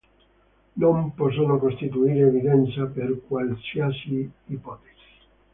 Non possono costituire evidenza per qualsiasi ipotesi".